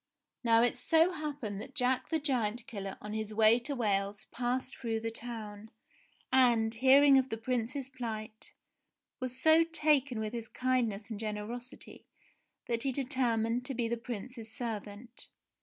Now it so happened that Jack the Giant Killer on his way to Wales passed through the town, and, hearing of the Prince's plight, was so taken with his kindness and generosity that he determined to be the Prince's servant.